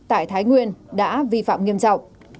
tại thái nguyên đã vi phạm nghiêm trọng